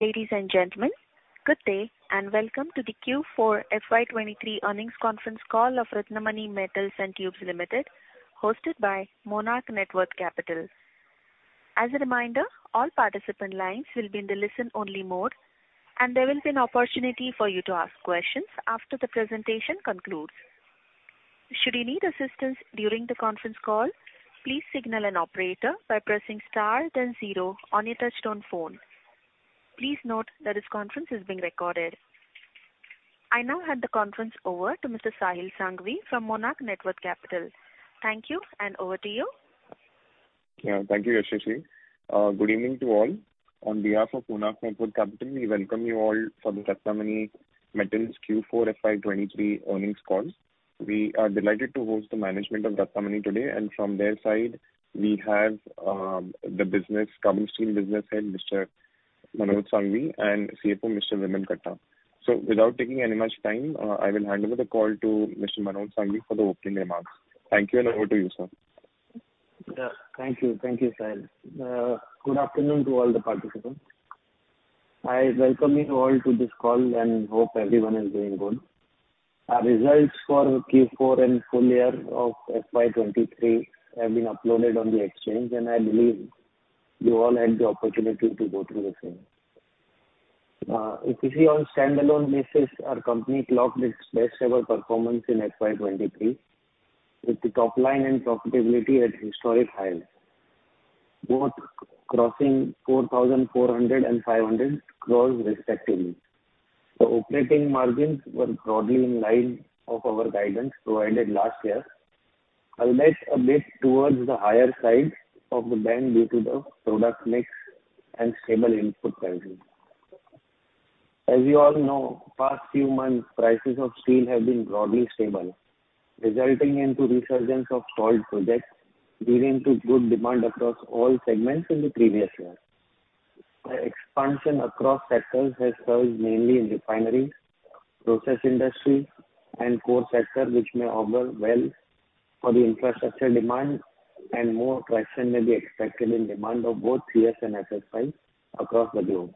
Ladies and gentlemen, Good day and welcome to the Q4 FY 2023 earnings conference call of Ratnamani Metals & Tubes Ltd hosted by Monarch Networth Capital. As a reminder, all participant lines will be in the listen-only mode and there will be an opportunity for you to ask questions after the presentation concludes. Should you need assistance during the conference call, please signal an operator by pressing star then zero on your touch-tone phone. Please note that this conference is being recorded. I now hand the conference over to Mr. Sahil Sanghvi from Monarch Networth Capital. Thank you and over to you. Thank you, Yashashree. Good evening to all. On behalf of Monarch Networth Capital, we welcome you all for the Ratnamani Metals Q4 FY 2023 earnings call. We are delighted to host the management of Ratnamani today and from their side, we have the business, Carbon Steel business head, Mr. Manoj Sanghvi and CFO Mr. Vimal Katta. Without taking any much time, I will hand over the call to Mr. Manoj Sanghvi for the opening remarks. Thank you and over to you, sir. Thank you, Sahil. Good afternoon to all the participants. I welcome you all to this call and hope everyone is doing good. Our results for Q4 and full year of FY 2023 have been uploaded on the exchange and I believe you all had the opportunity to go through the same. If you see on standalone basis, our company clocked its best ever performance in FY 2023 with the top line and profitability at historic highs, both crossing 4,400 and 500 crores respectively. The operating margins were broadly in line of our guidance provided last year, unless a bit towards the higher side of the band due to the product mix and stable input pricing. As you all know, past few months, prices of steel have been broadly stable, resulting into resurgence of stalled projects, leading to good demand across all segments in the previous year. The expansion across sectors has served mainly in refineries, process industry and core sector, which may harbor well for the infrastructure demand and more traction may be expected in demand of both CS and SS pipes across the globe.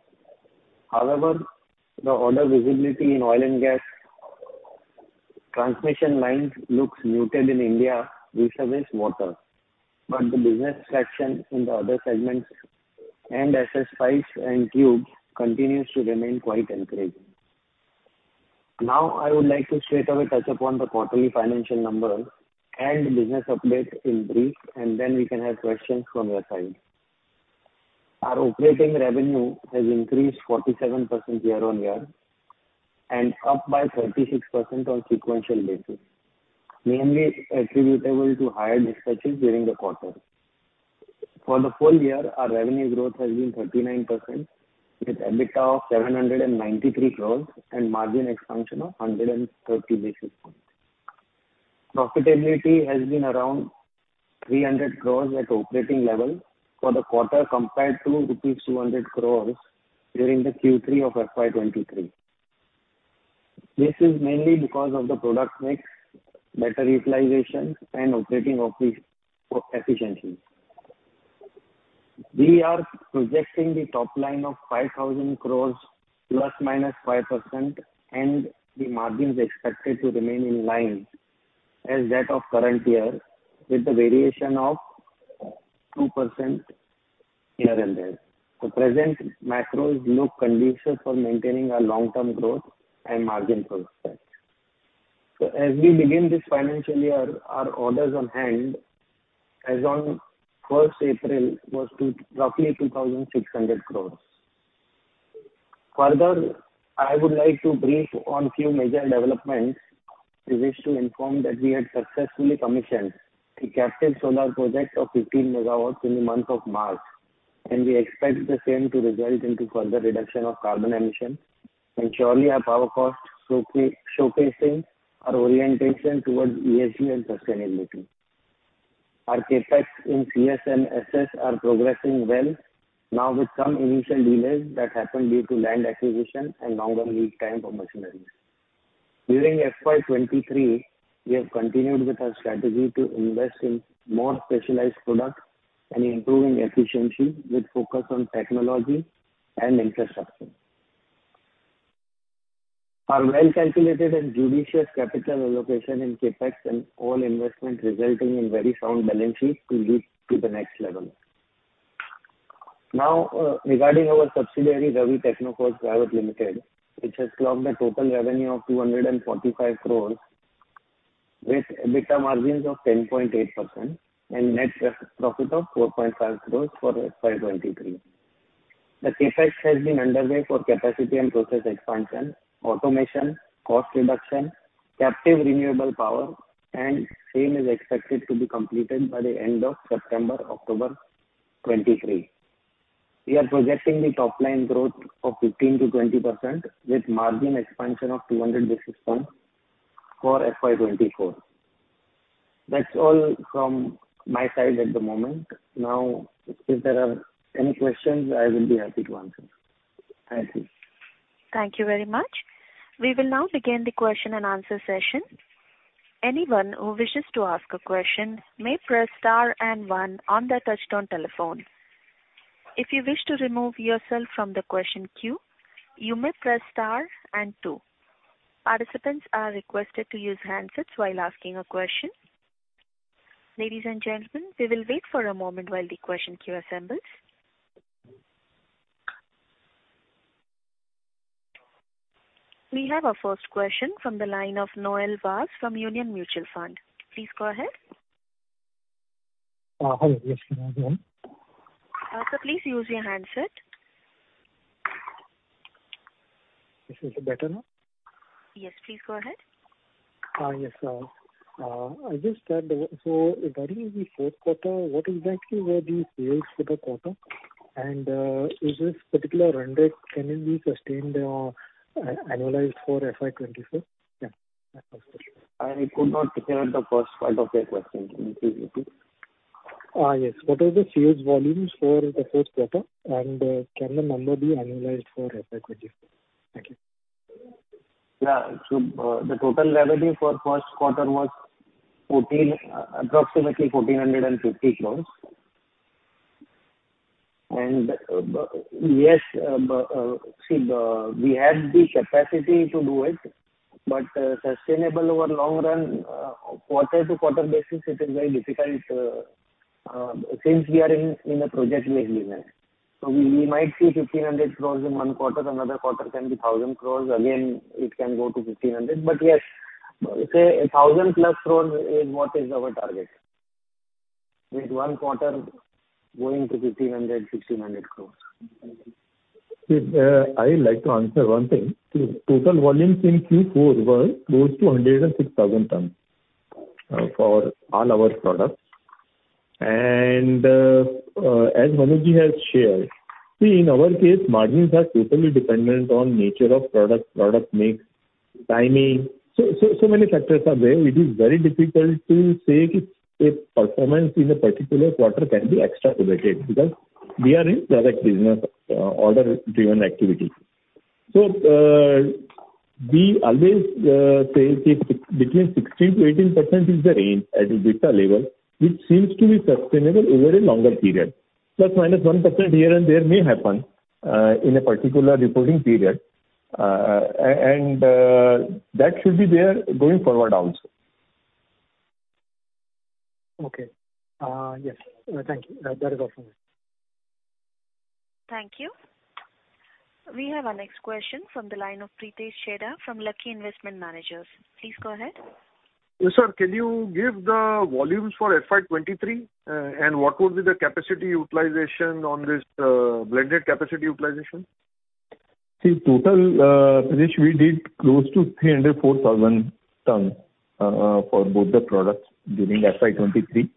However, the order visibility in oil and gas transmission lines looks muted in India due to this quarter, the business traction in the other segments and SS pipes and tubes continues to remain quite encouraging. Now, I would like to straightaway touch upon the quarterly financial numbers and business updates in brief and then we can have questions from your side. Our operating revenue has increased 47% year-on-year and up by 36% on sequential basis, mainly attributable to higher dispatches during the quarter. For the full year, our revenue growth has been 39%, with EBITDA of 793 crore and margin expansion of 130 basis points. Profitability has been around 300 crore at operating level for the quarter, compared to rupees 200 crore during the Q3 of FY 2023. This is mainly because of the product mix, better utilization and operating efficiencies. We are projecting the top line of 5,000 crore, ±5% and the margins are expected to remain in line as that of current year, with the variation of 2% here and there. The present macros look conducive for maintaining our long-term growth and margin prospects. As we begin this financial year, our orders on hand as on April 1 was roughly 2,600 crore. Further, I would like to brief on few major developments. We wish to inform that we had successfully commissioned a captive solar project of 15 megawatts in the month of march and we expect the same to result into further reduction of carbon emissions and surely our power costs, showcase, showcasing our orientation towards ESG and sustainability. Our CapEx in CS and SS are progressing well, now with some initial delays that happened due to land acquisition and longer lead time for machineries. During FY 2023, we have continued with our strategy to invest in more specialized products and improving efficiency with focus on technology and infrastructure. Our well-calculated and judicious capital allocation in CapEx and all investment resulting in very sound balance sheet to leap to the next level. Now, regarding our subsidiary, Ravi Technoforge Private Limited, which has clocked a total revenue of 245 crore, with EBITDA margins of 10.8% and net profit of 4.5 crore for FY 2023. The CapEx has been underway for capacity and process expansion, automation, cost reduction, captive renewable power and same is expected to be completed by the end of September/October 2023. We are projecting the top line growth of 15%-20%, with margin expansion of 200 basis points for FY 2024. That's all from my side at the moment. Now, if there are any questions, I will be happy to answer. Thank you. Thank you very much. We will now begin the question and answer session. Anyone who wishes to ask a question may press star and one on their touchtone telephone. If you wish to remove yourself from the question queue, you may press star and two. Participants are requested to use handsets while asking a question. Ladies and gentlemen, we will wait for a moment while the question queue assembles. We have our first question from the line of Noel Vaz from Union Mutual Fund. Please go ahead. Hello, Good afternoon and regarding the Q4, what exactly were the sales for the quarter? And is this particular run rate can it be sustained or annualized for FY 2024? I could not hear the first part of your question. Can you please repeat? Yes. What are the sales volumes for the Q1 and can the number be annualized for FY 2024? Thank you. The total revenue for Q1 was approximately INR 1,450 crore and, yes, we have the capacity to do it, but, sustainable over long run, since we are in a project-led business. So we might see 1,500 crore in one quarter, another quarter can be 1,000 crore. Again, it can go to 1,500 crore, but yes, say 1,000+ crore is what is our target, with one quarter going to 1,500 crore, 1,600 crore. I'd like to answer one thing. Total volumes in Q4 were close to 106,000 tons for all our products and, as Manoj has shared, see, in our case, margins are totally dependent on nature of product, product mix, timing. So, so many factors are there. It is very difficult to say if performance in a particular quarter can be extrapolated, because we are in project business, order-driven activity. So, we always say between 16%-18% is the range at EBITDA level, which seems to be sustainable over a longer period. ±1% here and there may happen in a particular reporting period and that should be there going forward also. Yes, thank you. That is all from me. Thank you. We have our next question from the line of Pritesh Chheda from Lucky Investment Managers. Please go ahead. Sir, can you give the volumes for FY 2023 and what would be the capacity utilization on this blended capacity utilization? See total Pritesh, we did close to 304,000 tons for both the products during FY 2023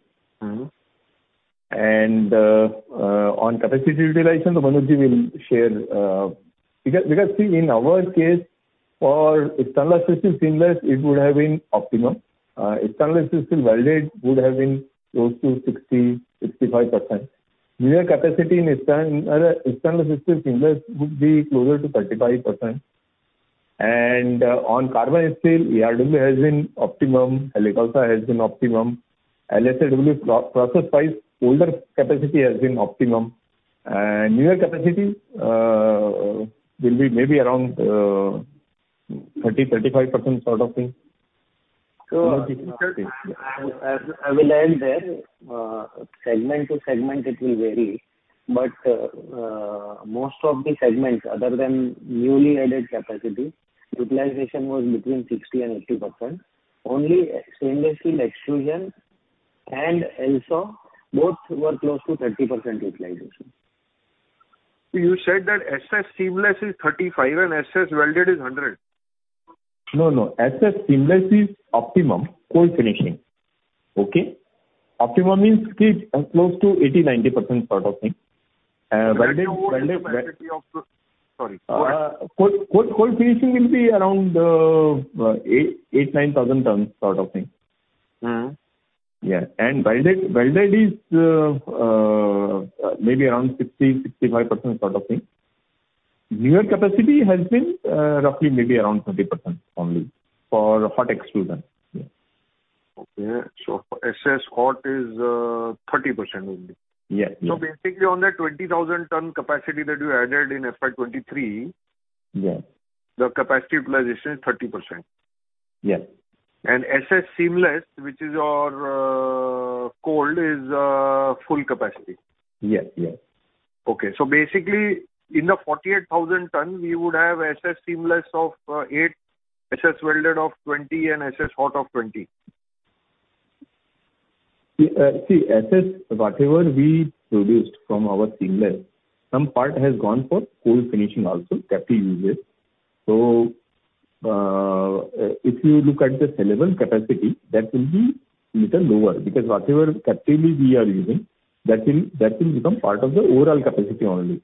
and on capacity utilization, Manoj will share. Because we see in our case for stainless steel seamless, it would have been optimum. Stainless steel welded would have been close to 60-65%. Newer capacity in stainless steel seamless would be closer to 35% and on carbon steel, ERW has been optimum, ERW has been optimum. LSAW, process wise, older capacity has been optimum and newer capacity will be maybe around 30-35% sort of thing. I will end there, segment to segment, it will vary but most of the segments, other than newly added capacity, utilization was between 60% and 80%. Only stainless steel extrusion and LSAW, both were close to 30% utilization. You said that SS seamless is 35% and SS welded is 100? No. SS seamless is optimum, cold finishing, okay? Optimum means it's close to 80%-90% sort of things. Cold Finishing will be around 8,000-9,000 tonnes sort of thing and welded is maybe around 60-65% sort of thing. Newer capacity has been roughly maybe around 30% only, for hot extrusion. SS hot is 30% only? basically, on that 20,000-ton capacity that you added in FY 2023, the capacity utilization is 30%? Yes. SS seamless, which is your cold, is full capacity? Yes. Basically, in the 48,000 ton, you would have SS seamless of 8, SS welded of 20 and SS hot of 20. See, SS, whatever we produced from our seamless, some part has gone for Cold Finishing also, captive usage. If you look at the sellable capacity, that will be little lower, because whatever captively we are using, that will, that will become part of the overall capacity only.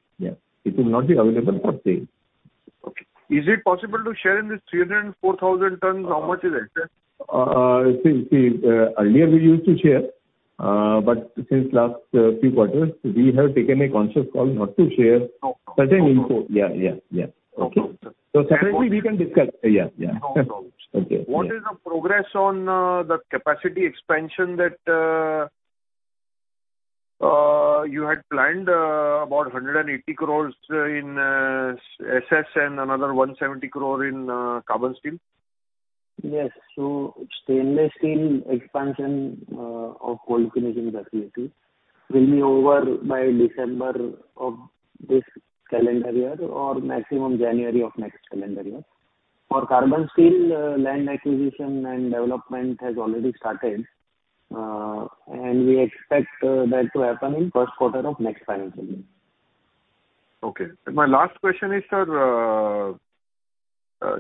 It will not be available for sale. Is it possible to share in this 34,000 tonnes, how much is extra? Earlier we used to share, but since last few quarters, we have taken a conscious call not to share such info. Separately we can discuss. No problems. What is the progress on the capacity expansion that you had planned about 180 crore in SS and another 170 crore in carbon steel? Yes. Stainless Steel expansion of Cold Finishing facility will be over by December of this calendar year or maximum January of next calendar year. For Carbon Steel, land acquisition and development has already started and we expect that to happen in Q1 of next financial year. My last question is, sir,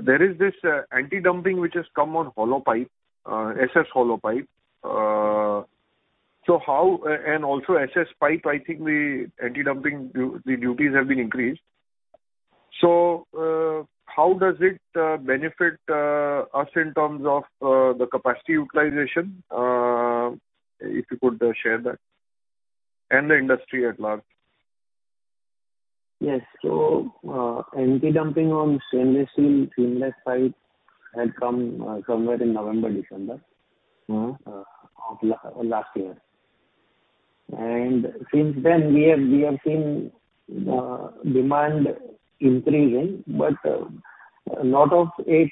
there is this anti-dumping which has come on hollow pipe, SS hollow pipe. So how and also SS pipe, the anti-dumping the duties have been increased. So, how does it benefit us in terms of the capacity utilization? If you could share that and the industry at large. Yes. Anti-dumping on stainless steel seamless pipe had come somewhere in November, December of last year and since then we have, we have seen demand increasing, but lot of it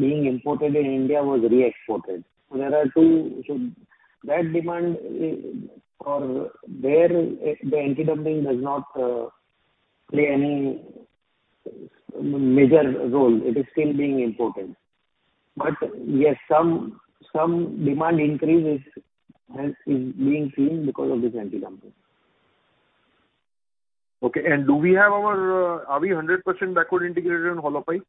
being imported in India was re-exported. That demand is for there, the anti-dumping does not play any major role. It is still being imported. yes some demand increase is being seen because of this anti-dumping. Are we 100% backward integrated in hollow pipe?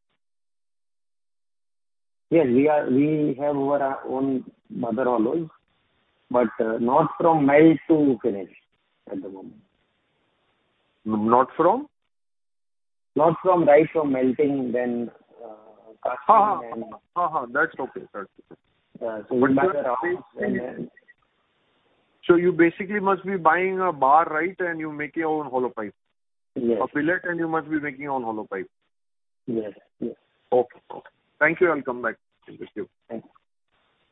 Yes, we are. We have our own Mother Hollows, not from melt to finish at the moment, right from melting, then, casting them So you basically must be buying a bar, right? And you make your own hollow pipe. Yes. A billet and you must be making your own hollow pipe. Yes. Thank you. I'll come back. Thank you.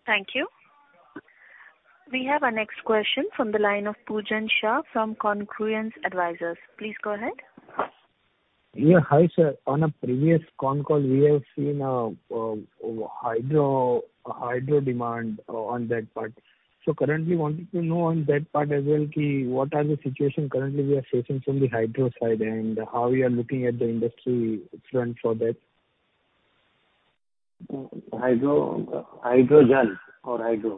Thank you. We have our next question from the line of Poojan Shah from Congruence Advisors. Please go ahead. Hi, sir. On a previous con call, we have seen hydro demand on that part. Currently wanting to know on that part, what are the situation currently we are facing from the hydro side and how we are looking at the industry trend for that? Hydro, hydrogen? Hydro.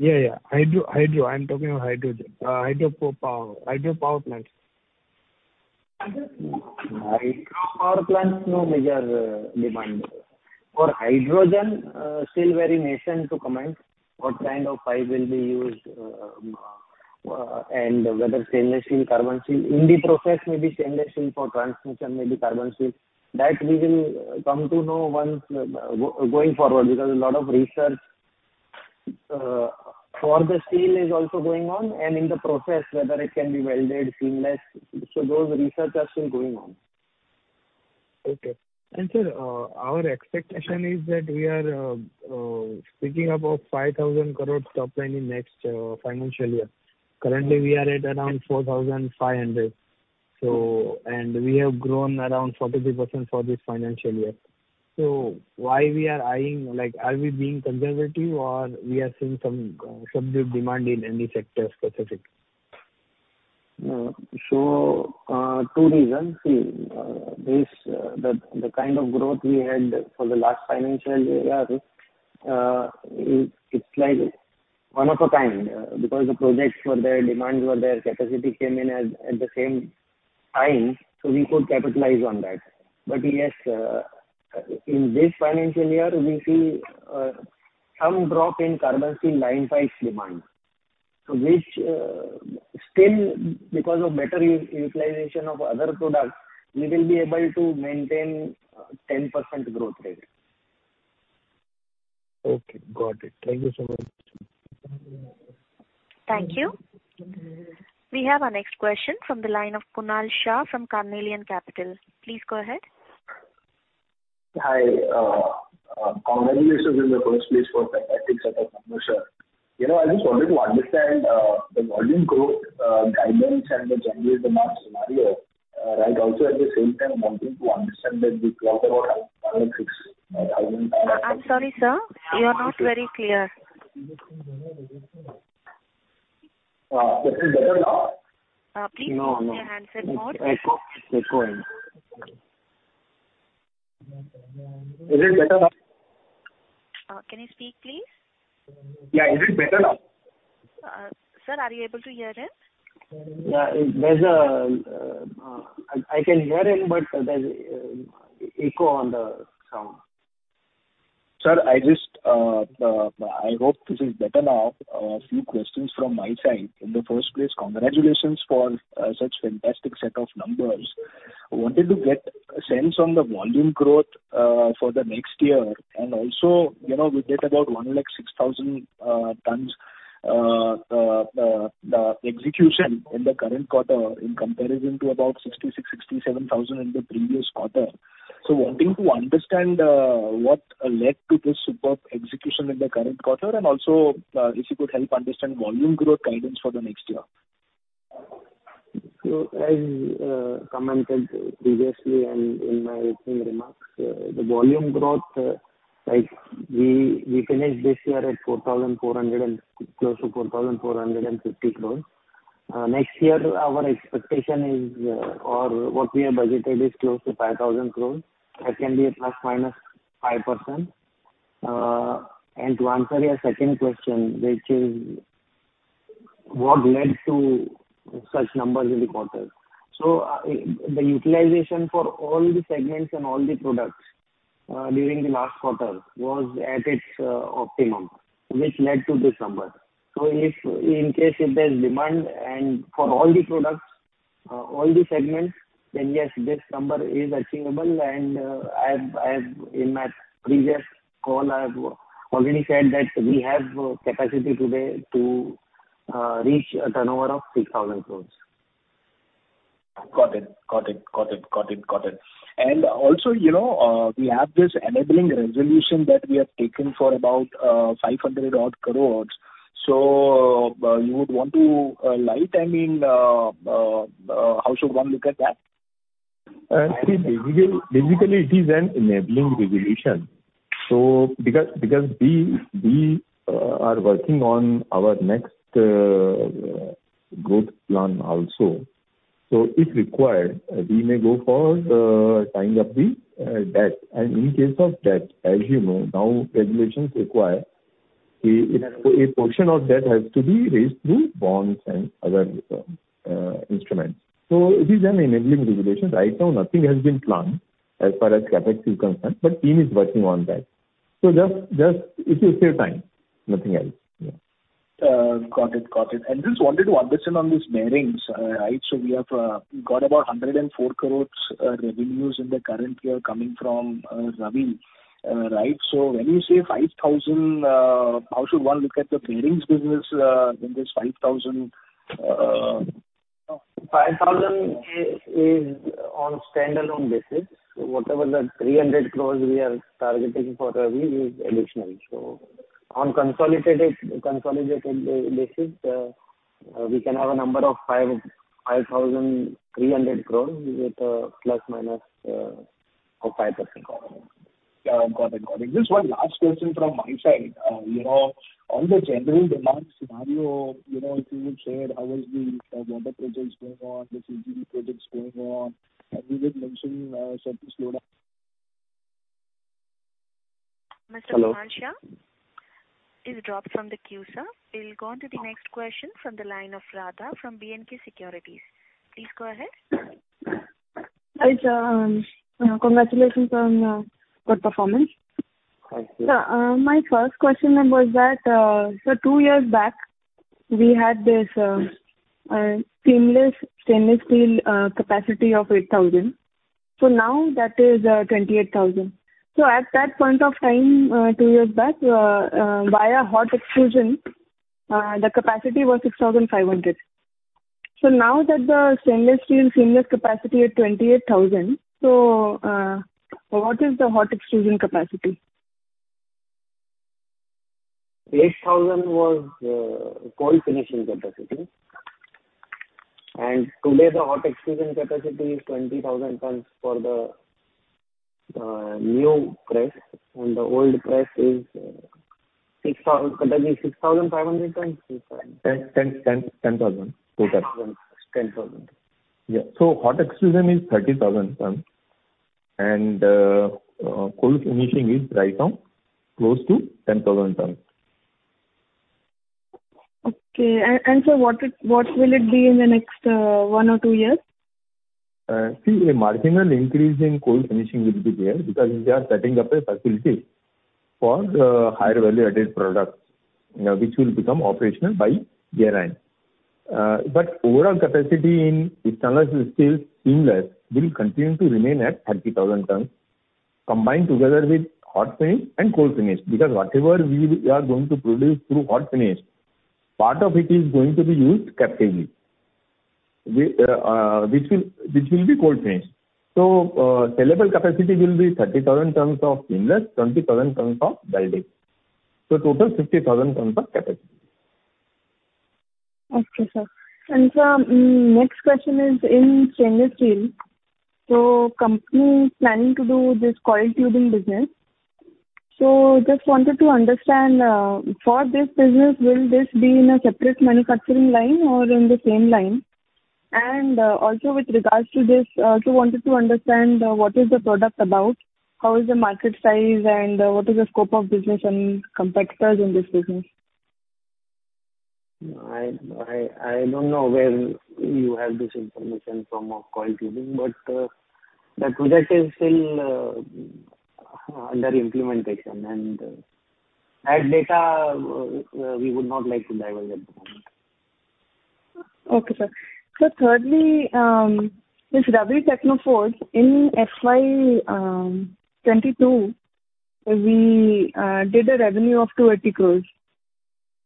I'm talking of Hydrogen. Hydro power, hydro power plants. Hydro power plants, no major demand. For hydrogen, still very nascent to comment what kind of pipe will be used and whether stainless steel, carbon steel. In the process, maybe stainless steel for transmission, maybe carbon steel. That we will come to know once, going forward, because a lot of research for the steel is also going on and in the process, whether it can be welded seamless. So those research are still going on. Sir, our expectation is that we are speaking about 5,000 crore top line in next financial year. Currently, we are at around 4,500 crore, so and we have grown around 43% for this financial year. Why we are eyeing like are we being conservative or we are seeing some subdued demand in any sector specific? Two reasons. See the kind of growth we had for the last financial year, it's like one of a kind, because the projects were there demands were there, capacity came in at the same time, so we could capitalize on that. Yes, in this financial year, we see some drop in carbon steel line pipes demand, which, still because of better utilization of other products, we will be able to maintain 10% growth rate. Got it. Thank you so much. Thank you. We have our next question from the line of Kunal Shah from Carnelian Capital. Please go ahead. Hi, Sir, This is better now. A few questions from my side. In the first place, congratulations for such fantastic set of numbers! Wanted to get a sense on the volume growth for the next year and also, you know, we get about 106,000 tons the execution in the current quarter in comparison to about 66,000-67,000 in the previous quarter. So wanting to understand what led to this superb execution in the current quarter and also, if you could help understand volume growth guidance for the next year. As commented previously and in my opening remarks, the volume growth, like we finished this year at 4,400 crores and close to 4,450 crores. Next year, our expectation is, or what we have budgeted is close to 5,000 crores. That can be at ±5% and to answer your second question which is led to such numbers in the quarter? The utilization for all the segments and all the products, during the last quarter was at its optimum, which led to this number. So if in case there's demand and for all the products, all the segments, then, yes, this number is achievable. I've in my previous call, I've already said that we have capacity today to reach a turnover of 6,000 crore. Got it. Also we have this enabling resolution that we have taken for about 500 odd crore. So, you would want to like how should one look at that? Basically, it is an enabling resolution. Because we are working on our next growth plan also. If required, we may go for tying up the debt and in case of debt, as you know, now regulations require a portion of debt has to be raised through bonds and other instruments. So it is an enabling resolution. Right now, nothing has been planned as far as CapEx is concerned, but team is working on that just it will save time, nothing else.. Got it. Just wanted to understand on these bearings, right. So we have got about 104 crore revenues in the current year coming from Ravi, right? So when you say 5,000, how should one look at the bearings business in this 5,000. 5,000 is on standalone basis. So whatever the 300 crore we are targeting for Ravi is additional. So on consolidated basis, we can have a number of 5,300 crore with ±5%. Got it, Just one last question from my side. You know, on the general demand scenario, you know, if you would share how is the water projects going on, the CGD projects going on and you just mentioned- Mr. Kunal Shah is dropped from the queue, We'll go on to the next question from the line of Radha from B&K Securities. Please go ahead. Hi, sir. Congratulations on good performance. Thank you. My first question was that, so two years back, we had this, seamless stainless steel, capacity of 8,000. So now that is, 28,000. So at that point of time, two years back, via hot extrusion, the capacity was 6,500. So now that the stainless steel seamless capacity at 28,000, so, what is the hot extrusion capacity? 8,000 was cold finishing capacity. Today, the hot extrusion capacity is 20,000 tons for the new press and the old press is 6,000, maybe 6,500 tons. 10,000 total. Ten thousand. Hot Extrusion is 30,000 tons and Cold Finishing is right now close to 10,000 tons. Sir, what will it be in the next one or two years? See, a marginal increase in cold finishing will be there, because we are setting up a facility for the higher value-added products, which will become operational by year-end. But overall capacity in stainless steel seamless will continue to remain at 30,000 tons, combined together with hot finish and cold finish. Because whatever we are going to produce through hot finish, part of it is going to be used captively, which will, which will be cold finish. So, sellable capacity will be 30,000 tons of seamless, 20,000 tons of welded. So total 50,000 tons of capacity. Sir, next question is in stainless steel. So company is planning to do this Coiled Tubing business. So just wanted to understand, for this business, will this be in a separate manufacturing line or in the same line? And, also with regards to this, so wanted to understand, what is the product about? How is the market size and, what is the scope of business and competitors in this business? I don't know where you have this information from of coiled tubing, but that project is still under implementation and that data we would not like to dive at the moment. Sir. Thirdly, this Ravi Technoforge, in FY 2022, we did a revenue of 280 crore.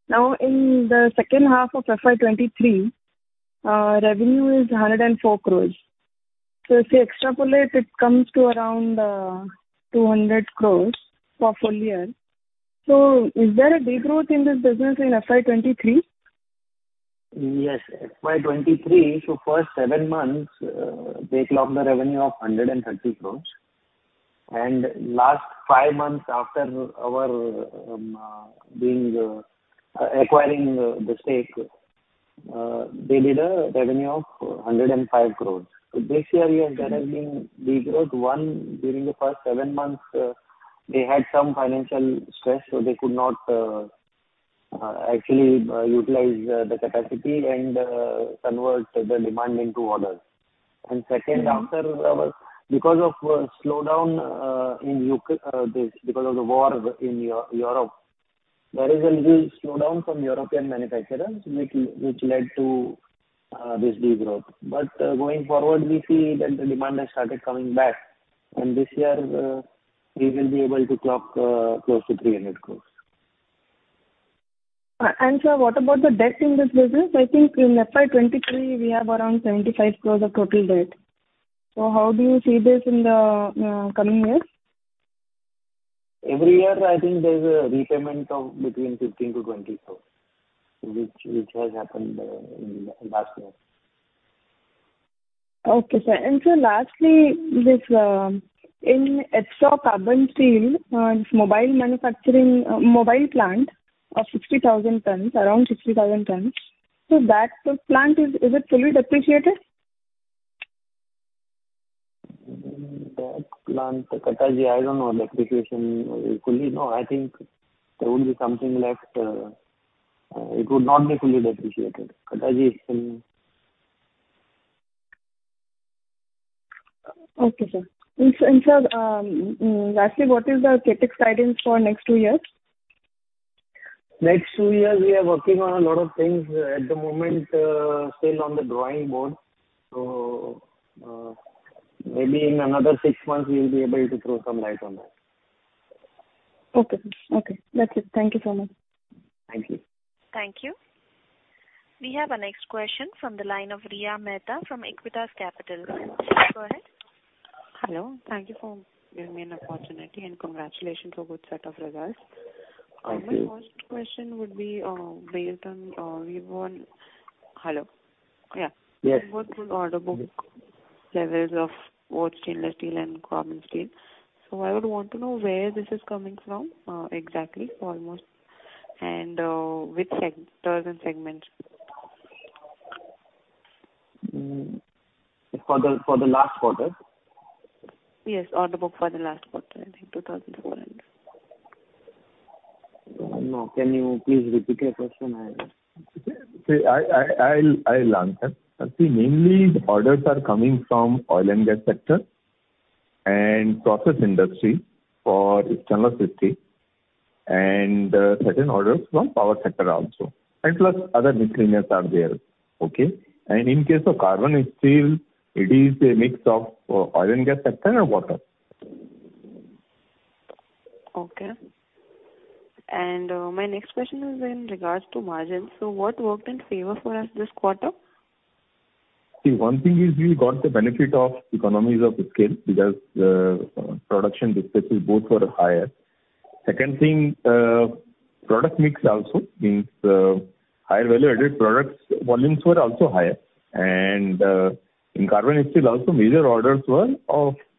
Now, in the second half of FY 2023, revenue is INR 104 crore. So if you extrapolate, it comes to around INR 200 crore for full year. So is there a de-growth in this business in FY 2023? Yes, FY 2023, so first seven months, they clocked a revenue of 130 crores and last five months after our acquiring the stake, they did a revenue of 105 crores. So this year, yes, there has been de-growth. One, during the first seven months, they had some financial stress, so they could not actually utilize the capacity and convert the demand into orders and second, after our—because of slowdown in U.K., this, because of the war in Europe, there is a little slowdown from European manufacturers, which led to this de-growth. But going forward, we see that the demand has started coming back and this year we will be able to clock close to 300 crores. Sir, what about the debt in this business? in FY 2023, we have around 75 crore of total debt. So how do you see this in the coming years? Every year, there's a repayment of between 15 crore-20 crore, which has happened in the last year. Sir, lastly, this in ERW Carbon Steel, mobile manufacturing, mobile plant of 60,000 tons, around 60,000 tons, so that plant, is it fully depreciated? That plant, Kattaji, I don't know the depreciation fully. No, there will be something left. It would not be fully depreciated. Sir, lastly, what is the CapEx guidance for next two years? Next two years, we are working on a lot of things. At the moment, still on the drawing board, so, maybe in another six months we'll be able to throw some light on that. That's it. Thank you so much. Thank you. Thank you. We have our next question from the line of Riya Mehta from Aequitas Capital. Go ahead. Hello. Thank you for giving me an opportunity and congratulations for good set of results. Thank you. My first question would be based on good order book levels of both stainless steel and carbon steel. I would want to know where this is coming from, exactly, almost and which sectors and segments? For the last quarter? Yes, order book for the last quarter, 2,400. No. Can you please repeat the question? I'll answer. See, mainly the orders are coming from oil and gas sector and process industry for stainless steel and certain orders from power sector also and plus other miscellaneous are there.? And in case of carbon steel, it is a mix of oil and gas sector and water. My next question is in regards to margins. What worked in favor for us this quarter? See, one thing is we got the benefit of economies of scale, because production mixes both were higher. Second thing, product mix also means higher value-added products, volumes were also higher and in carbon steel also, major orders were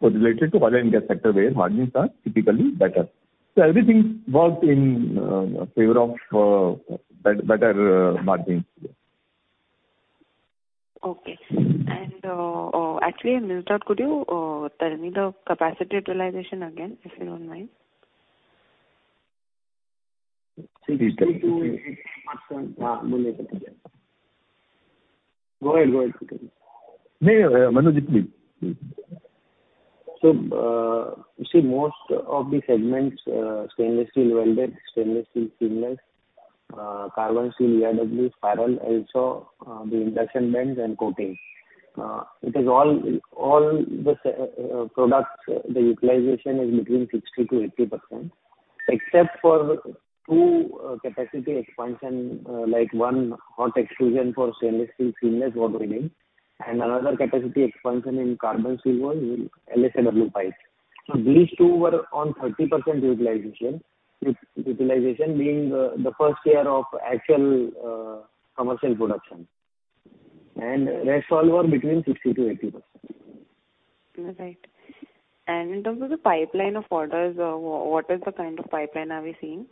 related to oil and gas sector, where margins are typically better. So everything worked in favor of better margins. Actually, could you tell me the capacity utilization again, if you don't mind? 60%-85%. Manu can tell you. Go ahead. No, Manu, repeat please. You see most of the segments, stainless steel welded, stainless steel seamless, carbon steel ERW spiral, also, the induction bends and coatings. It is all the products, the utilization is between 60%-80%, except for two capacity expansion. Like one, hot extrusion for stainless steel seamless what we doing and another capacity expansion in carbon steel LSAW pipes. So these two were on 30% utilization, with utilization being the first year of actual commercial production and rest all were between 60%-80%. All right. In terms of the pipeline of orders, what is the kind of pipeline are we seeing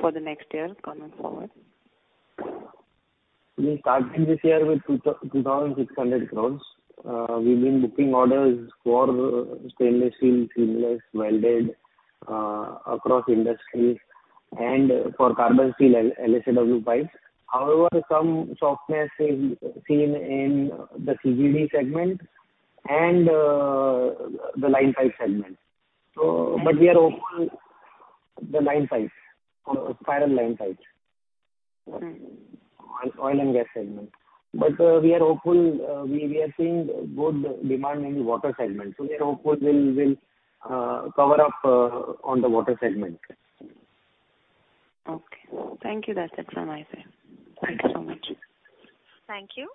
for the next year coming forward? We started this year with 2,600 crore. We've been booking orders for stainless steel, seamless, welded, across industries and for carbon steel and LSAW pipes. However, some softness is seen in the CGD segment and the line pipe segment. So, but we are open the line pipes, or spiral line pipes on oil and gas segment. But we are hopeful, we are seeing good demand in water segment, so we are hopeful we'll cover up on the water segment. Thank you, that's it from my side. Thank you so much. Thank you.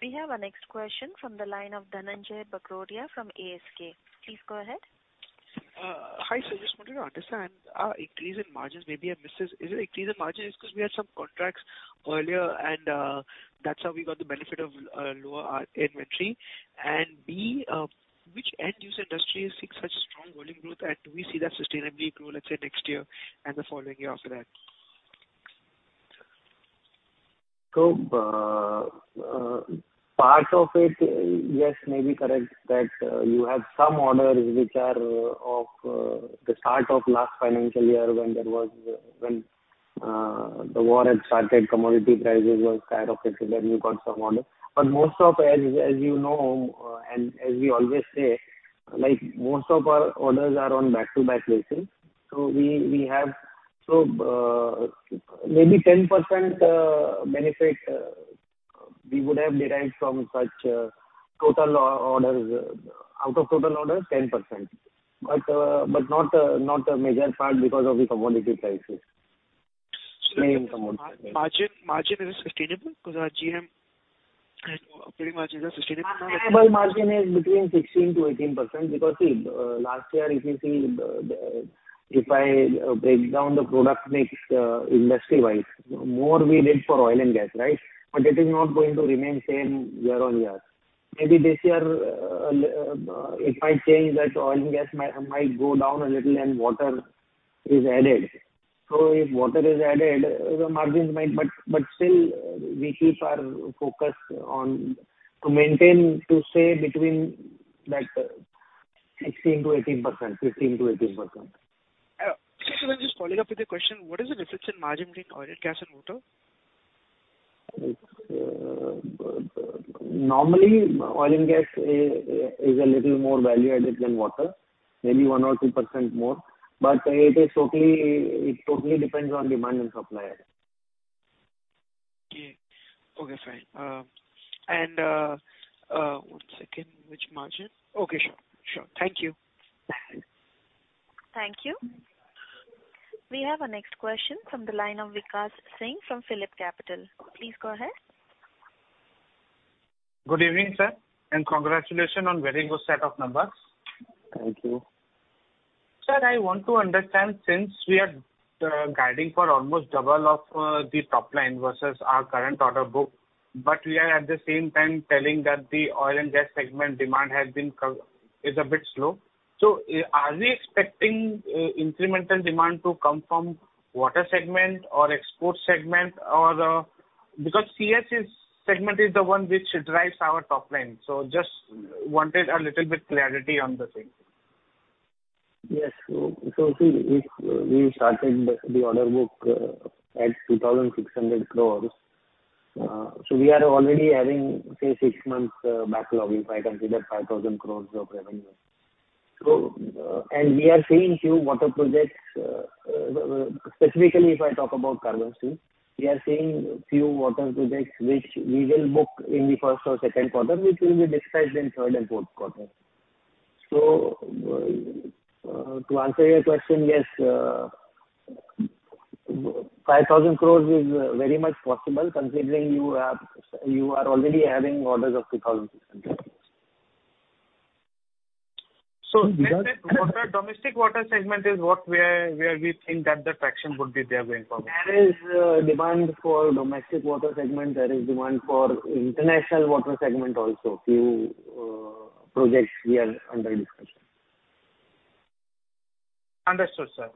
We have our next question from the line of Dhananjay Bagrodia from ASK. Please go ahead. Hi, sir. Just wanted to understand, our increase in margins, I missed this. Is it increase in margins because we had some contracts earlier and that's how we got the benefit of lower inventory? And B, which end use industry is seeing such strong volume growth and do we see that sustainably grow, let's say, next year and the following year after that? Part of it, yes, may be correct, that you have some orders which are of the start of last financial year when there was when the war had started, commodity prices was skyrocket, then you got some orders. But most of, as, as you know and as we always say, like, most of our orders are on back-to-back basis, so we, we have so, maybe 10% benefit, we would have derived from such total orders are out of total orders, 10%. But not a major part because of the commodity prices. Main commodity. Margin is sustainable because our GM and operating margins are sustainable? Margin is between 16%-18% because, see, last year, if you see, the if I break down the product mix, industry-wise, more we did for oil and gas, right? But it is not going to remain same year on year. Maybe this year, it might change that oil and gas might go down a little and water is added. So if water is added, the margins might, but still, we keep our focus on to maintain, to stay between that 16%-18%, 15%-18%. Sir, just following up with a question. What is the difference in margin between oil and gas and water? It's normally oil and gas is a little more value-added than water, maybe 1% or 2% more, but it totally depends on demand and supply. Sure. Thank you. Thank you. We have our next question from the line of Vikas Singh from Phillip Capital. Please go ahead. Good evening, sir and congratulations on very good set of numbers. Thank you. Sir, I want to understand since we are guiding for almost double of the top line versus our current order book, but we are at the same time telling that the oil and gas segment demand is a bit slow. So are we expecting incremental demand to come from water segment or export segment or because CS's segment is the one which drives our top line. So just wanted a little bit clarity on the same. Yes. So see, if we started the order book at 2,600 crore, so we are already having, say, six months backlog, if I consider 5,000 crore of revenue.and we are seeing few water projects, specifically, if I talk about carbon steel, we are seeing few water projects which we will book in the first or Q2, which will be dispatched in third and Q4. So, to answer your question, yes, 5,000 crore is very much possible, considering you have, you are already having orders of 2,600 crore. Let's say water, domestic water segment is what, where we think that the traction would be there going forward. There is demand for domestic water segment, there is demand for international water segment also. Few projects we are under discussion. Understood, sir.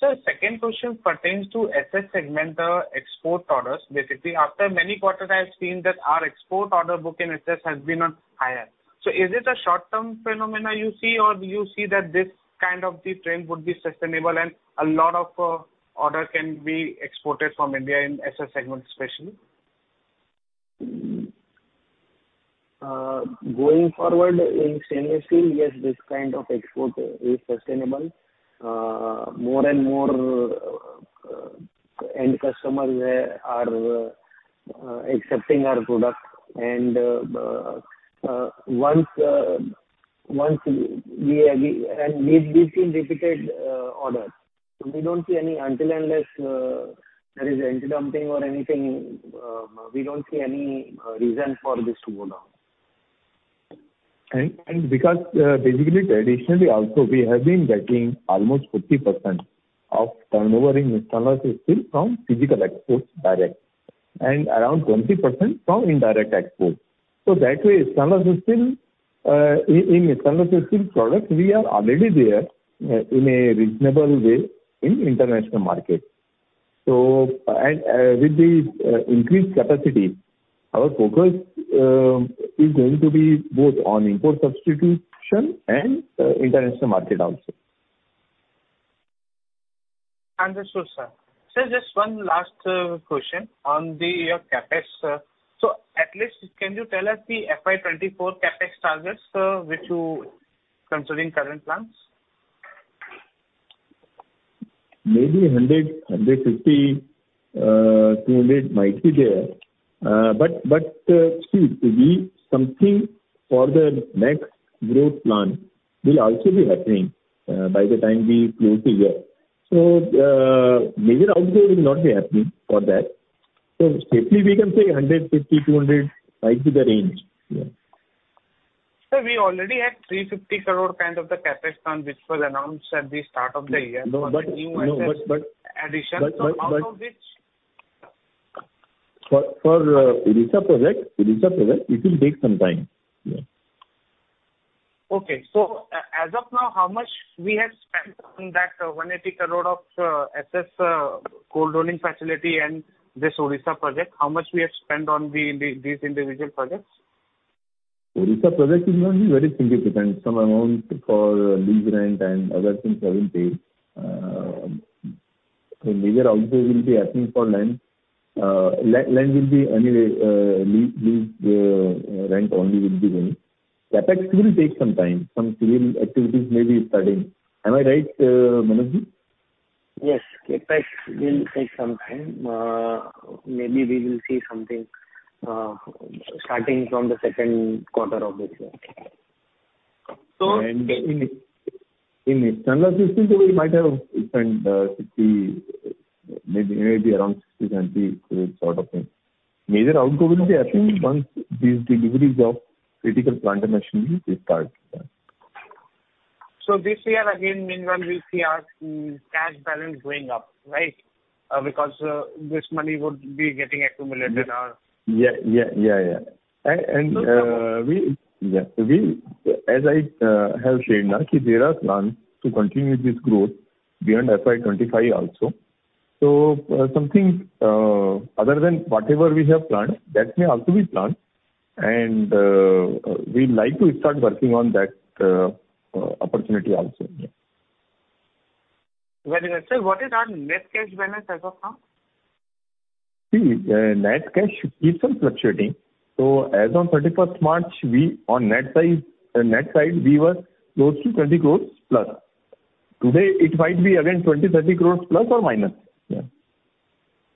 Sir, second question pertains to SS segment, the export orders. Basically, after many quarters, I have seen that our export order book in SS has been on higher. So is it a short-term phenomenon you see, or do you see that this kind of the trend would be sustainable and a lot of order can be exported from India in SS segment especially? Going forward in stainless steel, yes, this kind of export is sustainable. More and more end customers are accepting our product and once we've seen repeated orders. So we don't see any until, unless there is anti-dumping or anything, we don't see any reason for this to go down. Because, basically, traditionally also, we have been getting almost 50% of turnover in stainless steel from physical exports direct and around 20% from indirect exports. So that way, stainless steel, in stainless steel products, we are already there in a reasonable way in international market. So, with the increased capacity, our focus is going to be both on import substitution and international market also. Understood, sir. Sir, just one last question on the CapEx. So at least can you tell us the FY 2024 CapEx targets, which you considering current plans? Maybe 100, 150, 200 might be there. But see, we something for the next growth plan will also be happening, by the time we close the year. So, major outflow will not be happening for that. So safely we can say 150-200 might be the range.. Sir, we already had 350 crore kind of the CapEx plan, which was announced at the start of the yearaddition, so out of which? For Odisha project, it will take some time.. As of now, how much we have spent on that 180 crore of SS cold rolling facility and this Odisha project, how much we have spent on these individual projects? Odisha project is only very significant. Some amount for lease rent and other things have been paid. The major outflow will be happening for land. Land will be anyway lease rent only will be going. CapEx will take some time. Some civil activities may be starting. Am I right, Manojji? Yes, CapEx will take some time. Maybe we will see something starting from the Q2 of this year. In standard system, so we might have spent 60 maybe around 60-70 crore sort of thing. Major outflow will be happening once these deliveries of critical plant machinery will start. This year, again, we see our cash balance going up, right? Because this money would be getting accumulated or- We as I have shared now, there are plans to continue this growth beyond FY 25 also. So, something other than whatever we have planned, that may also be planned and we'd like to start working on that opportunity also.. Very well. Sir, what is our net cash balance as of now? See, net cash keeps on fluctuating. So as on 31st March, we on net side, net side, we were close to 20 crore+. Today, it might be again 20-30 crore ±..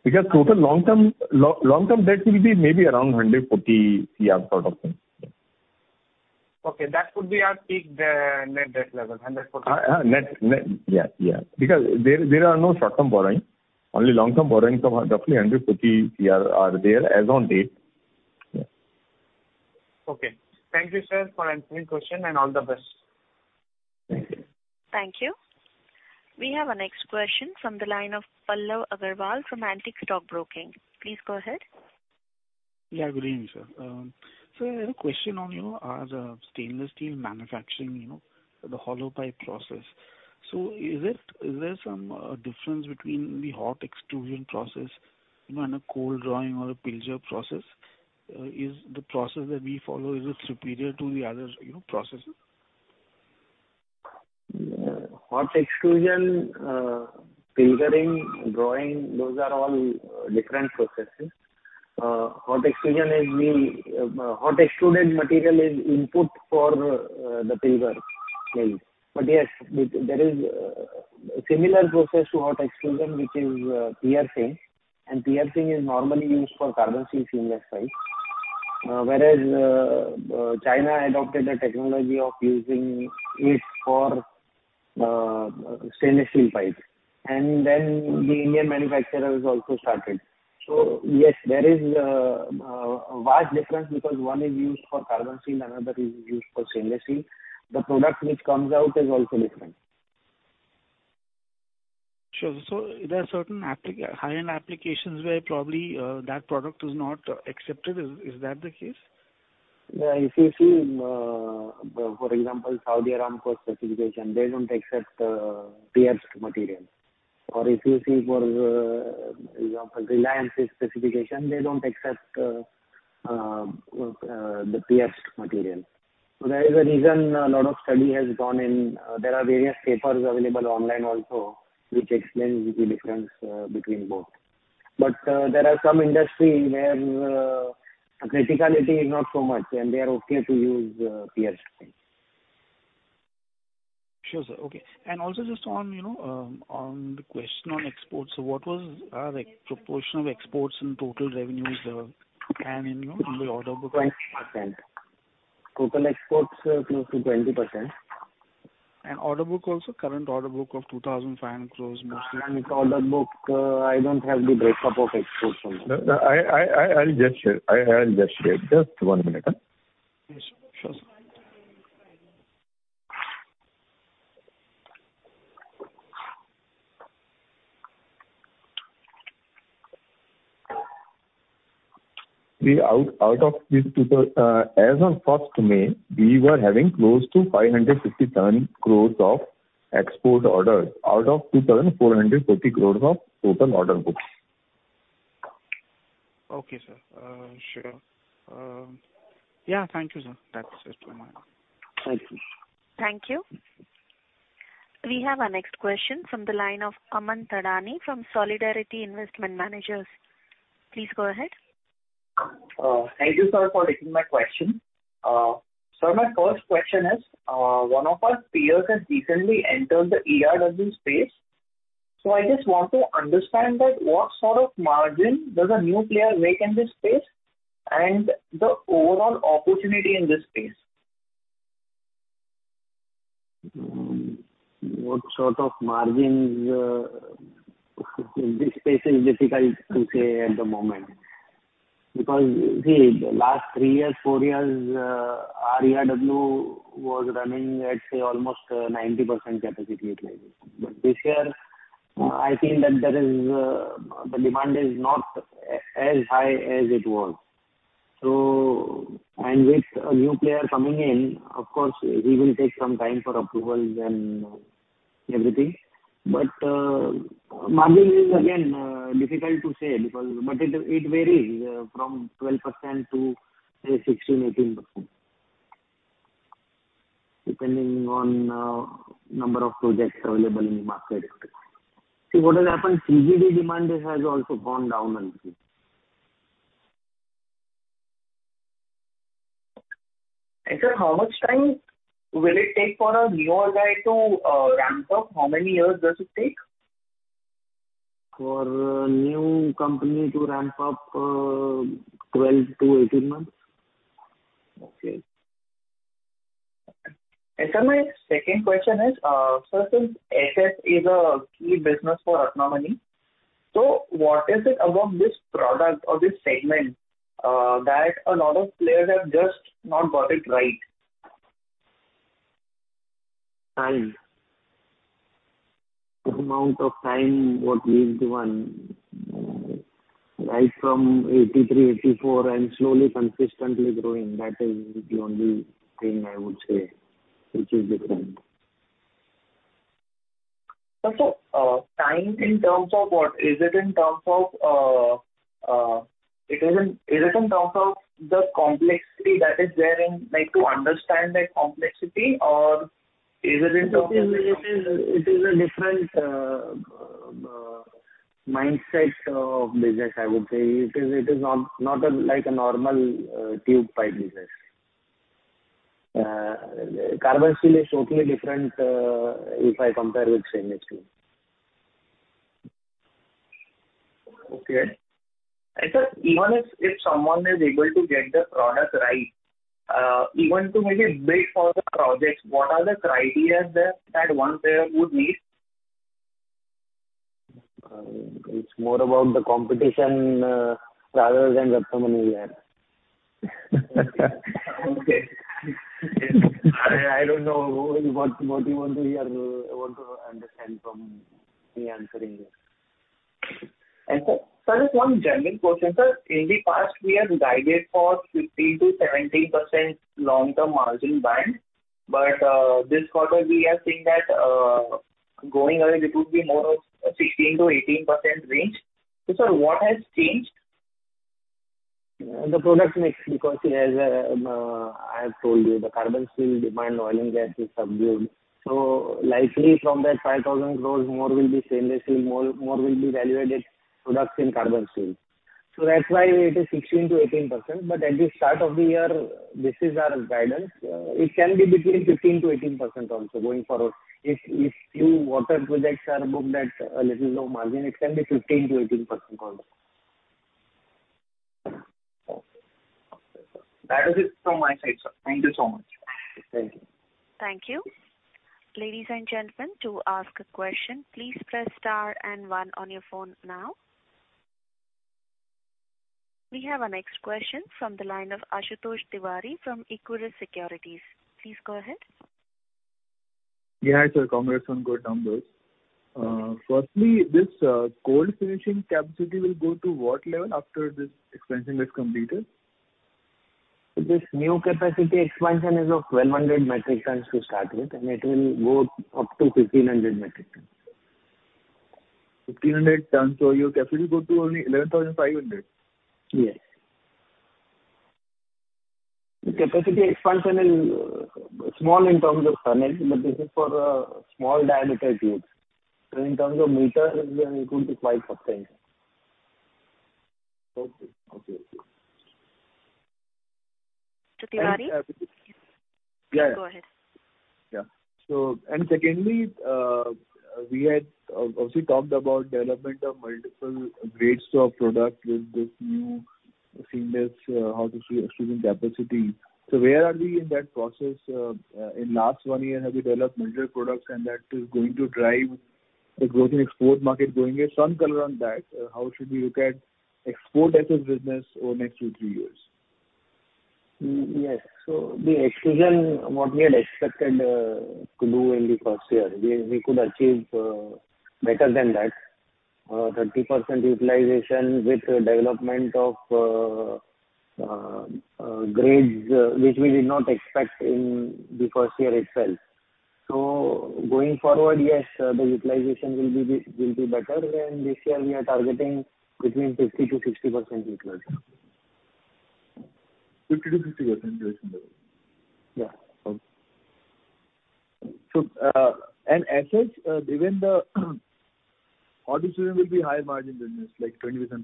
Because total long-term debt will be maybe around 140 crore. That could be our peak net debt level, 140. Net, Because there are no short-term borrowing, only long-term borrowings of roughly 150 crore are there as on date.. Thank you, sir for answering question and all the best. Thank you. Thank you. We have our next question from the line of Pallav Agarwal from Antique Stock Broking. Please go ahead. Good evening, sir, I have a question on, you know, as a stainless steel manufacturing, you know, the hollow pipe process. So is it, is there some difference between the hot extrusion process, you know and a cold drawing or a pilger process? Is the process that we follow, is it superior to the other, you know, processes? Hot extrusion, pilgering, drawing, those are all different processes. Hot extrusion is the hot extruded material is input for the pilger machine. But yes, there is similar process to hot extrusion, which is piercing and piercing is normally used for carbon steel seamless pipes. Whereas China adopted a technology of using it for stainless steel pipes and then the Indian manufacturers also started. So yes, there is a vast difference, because one is used for carbon steel, another is used for stainless steel. The product which comes out is also different. Sure. So there are certain high-end applications where probably that product is not accepted. Is that the case? If you see, for example, Saudi Aramco specification, they don't accept pierced material. Or if you see for, you know, Reliance's specification, they don't accept the pierced material. So there is a reason a lot of study has gone in, there are various papers available online also, which explains the difference between both. But, there are some industry where criticality is not so much and they are to use pierced material. Sure, sir and also just on the question on exports, what was the proportion of exports in total revenues and in the order book? 20%. Total exports are close to 20%. Order book also, current order book of 2,005 crore mostly. Order book, I don't have the breakup of exports on that. I'll just share. Just one minute. Yes, sure, sir. As on first May, we were having close to 557 crores of export orders out of 2,450 crores of total order books. Sure, thank you, sir. Thank you. Thank you. We have our next question from the line of Aman Thadani from Solidarity Investment Managers. Please go ahead. Thank you, sir, for taking my question. So my first question is, one of our peers has recently entered the ERW space, so I just want to understand that what sort of margin does a new player make in this space and the overall opportunity in this space? What sort of margins? This space is difficult to say at the moment, because see, the last three years, four years, our ERW was running at, say, almost 90% capacity utilization. But this year, that there is, the demand is not as high as it was. so.. and with a new player coming in, of course, he will take some time for approvals and everything. But, margin is again, difficult to say because it varies from 12% to, say, 16%-18%, depending on number of projects available in the market. See, what has happened, CGD demand has also gone down a little. Sir, how much time will it take for a newer guy to ramp up? How many years does it take? For a new company to ramp up, 12-18 months. My second question is since HF is a key business for Ratnamani, what is it about this product or this segment, that a lot of players have just not got it right? Time. The amount of time what we've done, right from 1983, 1984 and slowly, consistently growing that is the only thing I would say which is different. Sir, time in terms of what? Is it in terms of the complexity that is there in like to understand that complexity or is it in terms of- It is a different, mindset of business, I would say. It is not like a normal tube pipe business. Carbon steel is totally different, if I compare with stainless steel. Sir, even if someone is able to get the product right, even to maybe bid for the projects, what are the criteria there that one player would need? It's more about the competition rather than Ratnamani, I don't know what you want to hear, want to understand from me answering this Just one general question, sir. In the past, we have guided for 15%-17% long-term margin band, but this quarter we are seeing that, going ahead, it would be more of 16%-18% range. So, sir, what has changed? The product mix, because as, I have told you, the carbon steel demand in oil and gas is subdued, so likely from that 5,000 crore, more will be stainless steel, more, more will be value-added products in carbon steel. So that's why it is 16%-18%. But at the start of the year, this is our guidance. It can be between 15%-18% also going forward. If, if few water projects are booked at a little low margin, it can be 15%-18% also. Sir. That is it from my side, sir. Thank you so much. Thank you. Thank you. Ladies and gentlemen, to ask a question, please press star and one on your phone now. We have our next question from the line of Ashutosh Tiwari from Equirus Securities. Please go ahead. Hi, sir, congratulations on good numbers. Firstly, this cold finishing capacity will go to what level after this expansion is completed? This new capacity expansion is of 1,200 metric tons to start with and it will go up to 1,500 metric tons. 1,500 tons, your capacity go to only 11,500? Yes. The capacity expansion is small in terms of tonnage, but this is for small diameter tubes. In terms of meters, then it will be quite substantial. Secondly, we had also talked about development of multiple grades of product with this new seamless, hot extrusion capacity. So where are we in that process? In last one year, have you developed major products and that is going to drive the growth in export market going ahead? Some color on that, how should we look at export as a business over next two, three years? Yes. So the exclusion, what we had expected, to do in the first year, we could achieve better than that. 30% utilization with development of grades, which we did not expect in the first year itself. Going forward, yes, the utilization will be better and this year we are targeting between 50%-60% utilization. 50%-60% utilization? As such even the all this will be high margin business, like 20%+?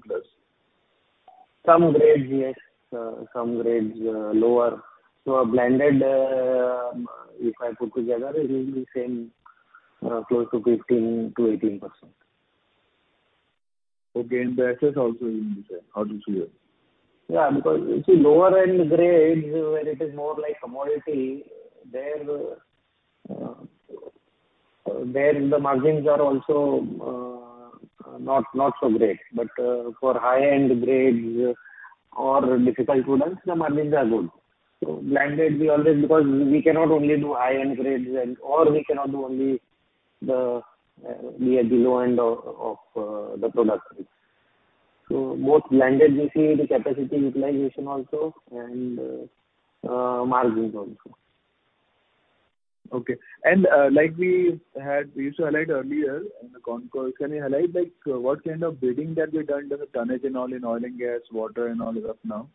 Some grades, yes, some grades lower. So a blended, if I put together, it will be same, close to 15%-18%. The access also will be the same, or this year? Because you see, lower end grades, where it is more like commodity, there, there the margins are also, not, not so great. But, for high-end grades or difficult products, the margins are good. So blended, we always because we cannot only do high-end grades and or we cannot do only the, the below end of, of, the product. So both blended, we see the capacity utilization also and margins also. Like we used to highlight earlier in the concall, can you highlight, like, what kind of bidding that we done to the tonnage and all in oil and gas, water and all as of now?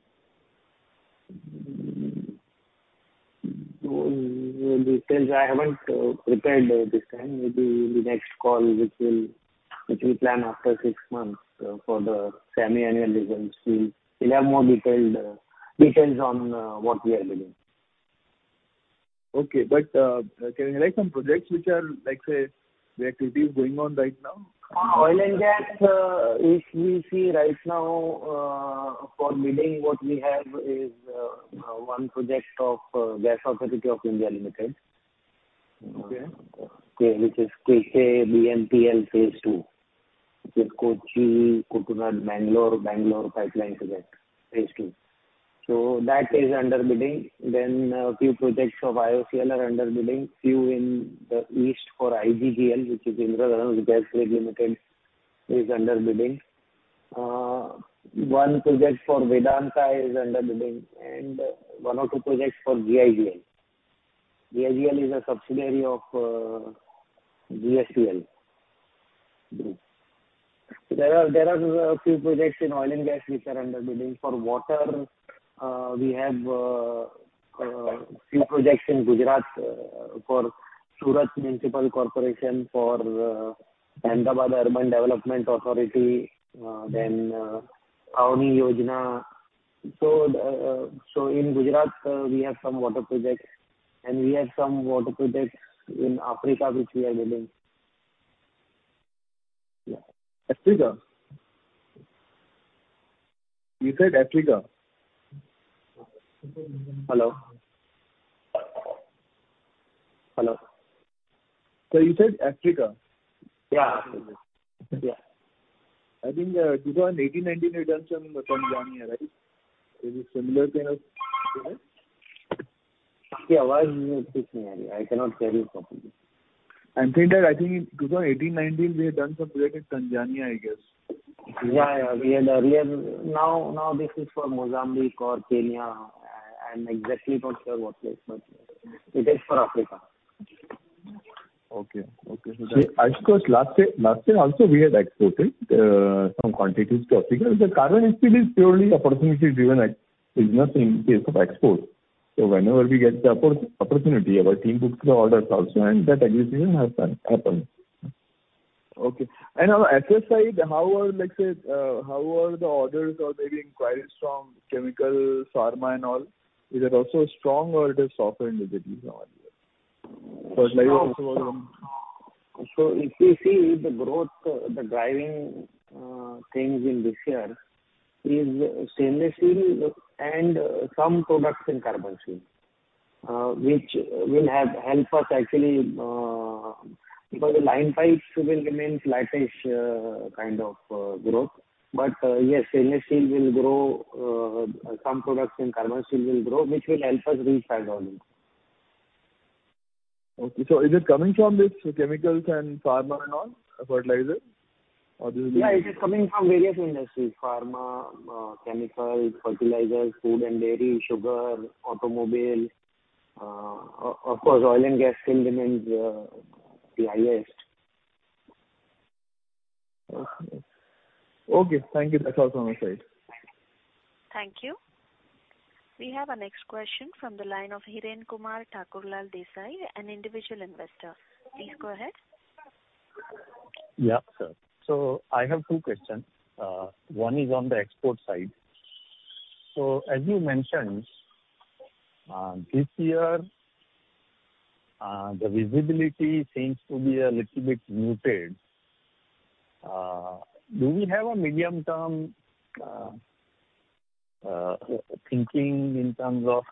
Details I haven't prepared this time. Maybe in the next call, which we plan after six months for the semi-annual results, we'll have more detailed details on what we are bidding. Can you highlight some projects which are like say the activity is going on right now? Oil and gas, if we see right now for bidding, what we have is one project of Gas Authority of India Limited which is KK BNPL Phase 2, which is Kochi, Kuttanad, Bangalore, Bangalore pipeline project, phase two. So that is under bidding. Then a few projects of IOCL are under bidding. Few in the east for IGGL, which is Indradhanush Gas Grid Limited, is under bidding. One project for Vedanta is under bidding and one or two projects for GIGL. GIGL is a subsidiary of GSPL. There are a few projects in oil and gas which are under bidding. For water, we have few projects in Gujarat for Surat Municipal Corporation, for Ahmedabad Urban Development Authority, then Awani Yojana. In Gujarat, we have some water projects and we have some water projects in Africa, which we are bidding. You said Africa? Yes, 2018-19, we done some in Tanzania, right? Is it similar kind of project? We have now this is for Mozambique or Kenya. I'm exactly not sure what place, but it is for Africa. Last year also we had exported some quantities to Africa. The carbon steel is purely opportunity driven. It is nothing in case of export. So whenever we get the opportunity, our team puts the orders also and that acquisition has happened. On access side, how are, let's say, how are the orders or maybe inquiries from chemical, pharma and all? Is it also strong or it is softer in the business earlier? If you see the growth, the driving things in this year is stainless steel and some products in carbon steel, which will have help us actually, because the line pipes will remain flattish, kind of growth. Yes, stainless steel will grow some products in carbon steel will grow, which will help us reach that volume. Is it coming from this chemicals and pharma and all, fertilizer? It is coming from various industries: pharma, chemicals, fertilizers, food and dairy, sugar, automobile, of course, oil and gas still remains the highest. Thank you. That's all from my side. Thank you. We have our next question from the line of Hiren Kumar Thakurlal Desai, an individual investor. Please go ahead. Sure. I have two questions. One is on the export side. As you mentioned, this year, the visibility seems to be a little bit muted. Do we have a medium-term thinking in terms of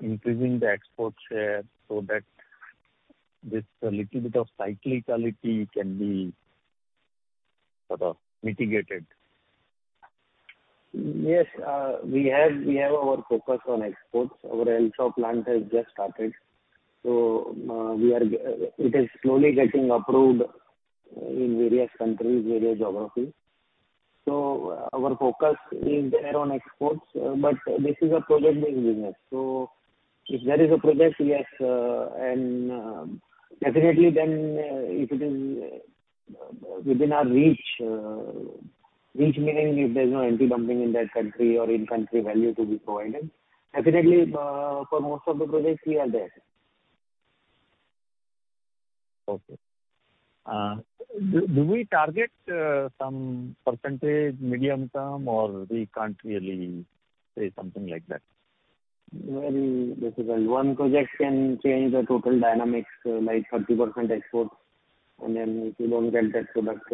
increasing the export share so that this little bit of cyclicality can be sort of mitigated? Yes, we have our focus on exports. Our LSAW plant has just started, so, it is slowly getting approved in various countries, various geographies. So our focus is there on exports, but this is a project-based business. So if there is a project, yes and, definitely then, if it is within our reach, reach meaning if there's no anti-dumping in that country or in-country value to be provided for most of the projects we are there. Do we target some percentage medium term or we can't really say something like that? Very difficult. One project can change the total dynamics, like 30% export and then if you don't get that product,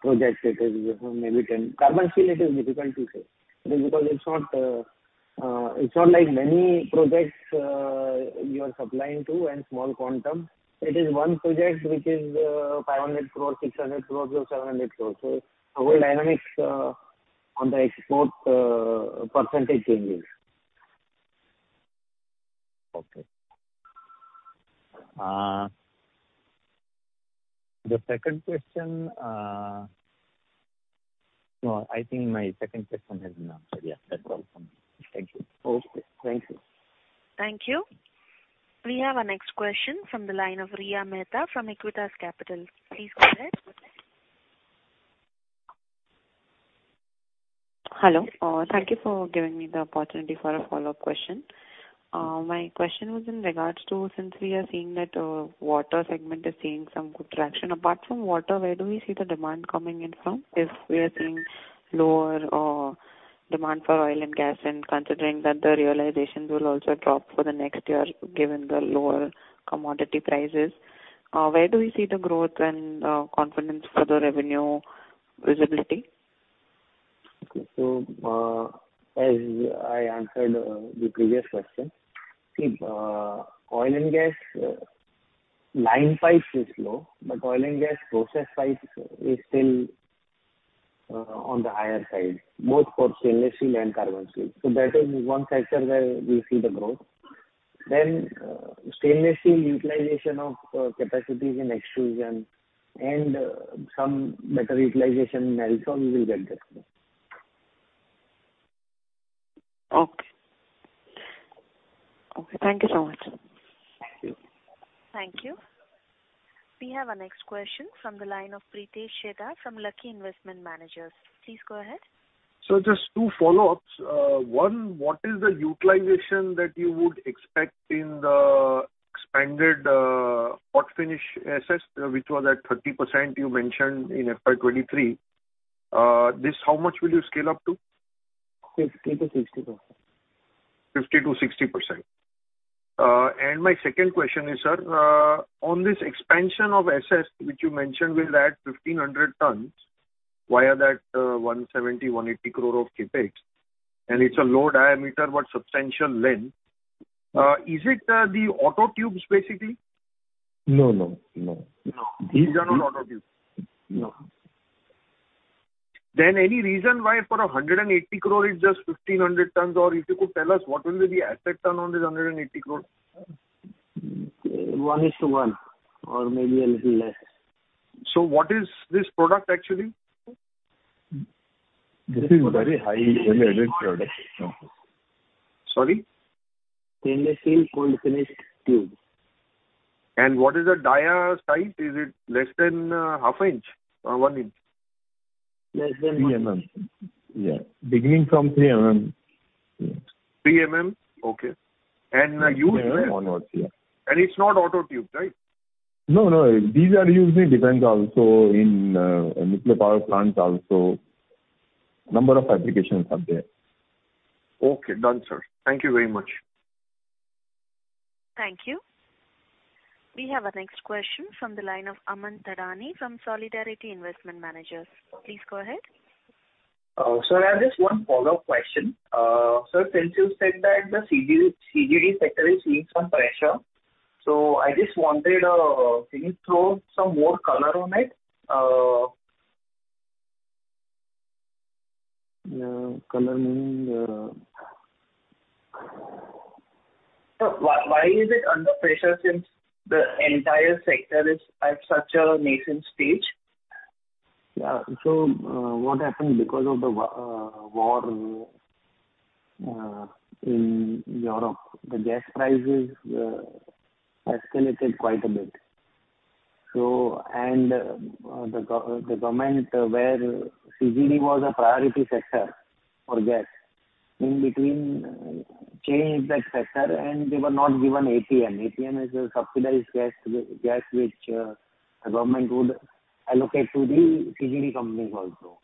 project, it is maybe 10%. Carbon steel, it is difficult to say. Because it's not, it's not like many projects, you are supplying to and small quantum. It is one project which is, 500 crore, 600 crore or 700 crore. So the whole dynamics, on the export percentage changes. No, my second question has been answered, that's all from me. Thank you. Thank you. Thank you. We have our next question from the line of Riya Mehta from Aequitas Capital. Please go ahead. Hello. Thank you for giving me the opportunity for a follow-up question. My question was in regards to, since we are seeing that, water segment is seeing some good traction. Apart from water, where do we see the demand coming in from, if we are seeing lower, demand for oil and gas and considering that the realizations will also drop for the next year, given the lower commodity prices? Where do we see the growth and, confidence for the revenue visibility? As I answered, the previous question, see, oil and gas line pipes is low, but oil and gas process pipes is still on the higher side, both for stainless steel and carbon steel. So that is one sector where we see the growth. Then, stainless steel utilization of capacities in extrusion and some better utilization in LSAW we will get there. Thank you so much. Thank you. Thank you. We have our next question from the line of Pritesh Chheda from Lucky Investment Managers. Please go ahead. Just two follow-ups. One, what is the utilization that you would expect in the expanded, hot finish SS, which was at 30%, you mentioned in FY 2023. This, how much will you scale up to? 50%-60%. 50%-60%. My second question is on this expansion of SS, which you mentioned will add 1,500 tons via that 170-180 crore of capex and it's a low diameter but substantial length. Is it the auto tubes, basically? No. No, these are not auto tubes. No. Any reason why for 180 crore is just 1,500 tons? Or if you could tell us, what will be the per ton on this 180 crore? 1 is to 1 or maybe a little less. What is this product, actually? This is very high limited product. Stainless Steel Cold Finished Tube. What is the dia size? Is it less than half an inch or one inch? Less than 3 mm, beginning from 3 mm. Yes. Three mm and used where? It's not auto tube, right? No. These are used in nuclear power plants also, Number of applications are there. Done, sir. Thank you very much. Thank you. We have our next question from the line of Aman Thadani from Solidarity Investment Managers. Please go ahead. Sir, I have just one follow-up question. Since you said that the CGD sector is seeing some pressure, I just wanted, can you throw some more color on it? Why is it under pressure since the entire sector is at such a nascent stage? What happened, because of the war in Europe, the gas prices escalated quite a bit.and, the government, where CGD was a priority sector for gas, in between changed that sector and they were not given APM. APM is a subsidized gas, gas which, the government would allocate to the CGD companies also.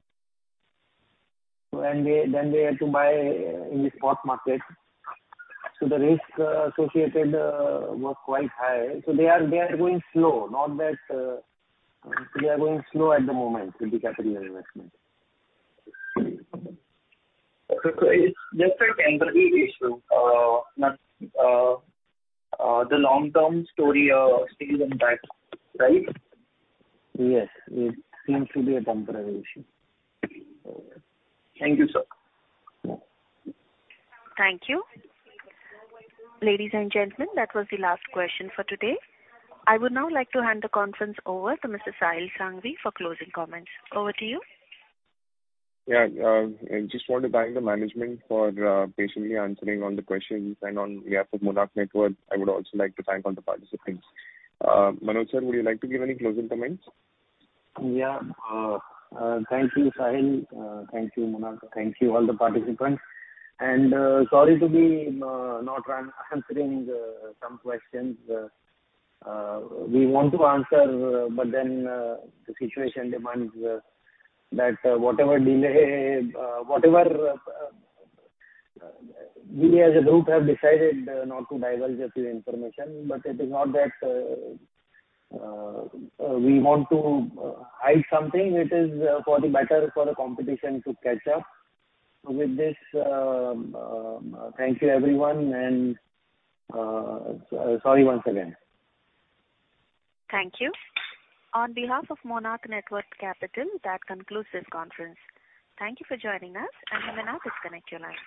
Then they had to buy in the spot market, the risk associated was quite high. They are going slow at the moment with the capital investment. It's just a temporary issue, not the long-term story, still intact, right? Yes. It seems to be a temporary issue. Thank you, sir. Thank you. Ladies and gentlemen, that was the last question for today. I would now like to hand the conference over to Mr. Sahil Sanghvi for closing comments. Over to you. I just want to thank the management for patiently answering on the questions and on behalf of Monarch Networth, I would also like to thank all the participants. Manoj sir, would you like to give any closing comments? Thank you, Sahil. Thank you, Monarch. Thank you all the participants and, sorry to be not answering some questions. We want to answer, but then, the situation demands that whatever delay, whatever, we as a group have decided not to divulge a few information, but it is not that we want to hide something. It is for the better for the competition to catch up. With this, thank you everyone and sorry once again. Thank you. On behalf of Monarch Networth Capital, that concludes this conference. Thank you for joining us and you may now disconnect your lines.